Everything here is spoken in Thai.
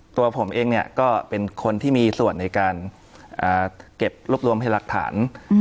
ตัวผมเองเนี่ยก็เป็นคนที่มีส่วนในการเก็บรวบรวมให้หลักฐาน